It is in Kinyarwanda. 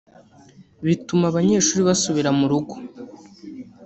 bituma abanyeshuri basubira mu rugo